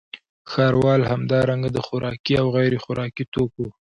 ښاروال همدارنګه د خوراکي او غیرخوراکي توکو